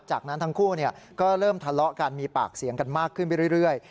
จากนั้นทั้งคู่ก็เริ่มทะเลาะกันมีปากเสียงกันมากขึ้นไปเรื่อย